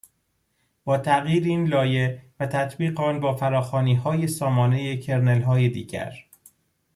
با تغییر این لایه و تطبیق آن با فراخوانیهای سامانهٔ کرنلهای دیگر